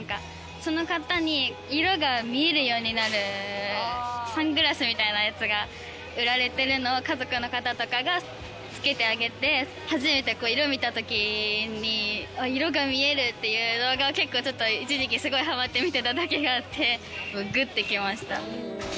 その方に色が見えるようになるサングラスみたいなやつが売られてるのを家族の方とかがつけてあげて初めて色見たときに色が見えるっていう動画を一時期すごいハマって見てたときがあってグッてきました。